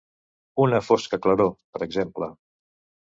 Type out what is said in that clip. Una "fosca claror", per exemple.